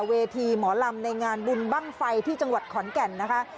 เวทีหมอลำในงานบุญบ้างไฟที่จังหวัดขอนแก่นนะคะ